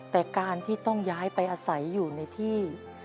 แต่การที่ต้องย้ายไปอาศัยอยู่ในที่